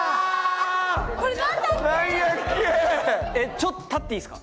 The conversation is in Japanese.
ちょっと立っていいですか？